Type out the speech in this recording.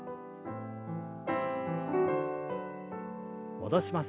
戻します。